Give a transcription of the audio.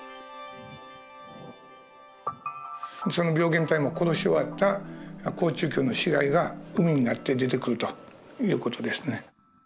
その病原体も殺し終わった好中球の死骸が膿になって出てくるという事ですね。